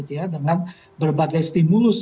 ya dengan berbagai stimulus